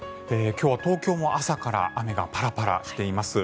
今日は東京も朝から雨がパラパラ降っています。